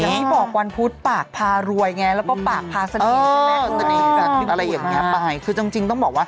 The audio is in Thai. ก็ต้องพี่บอกวานพุทธปากพารวยไงแล้วก็ปากพาสนีทคือไหม